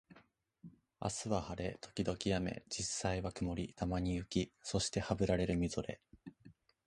明日は晴れ、時々雨、実際は曇り、たまに雪、そしてハブられるみぞれ